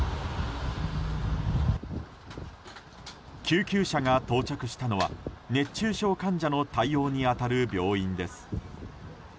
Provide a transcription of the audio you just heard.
救急車が到着したのは熱中症患者の対応に当たる病院です。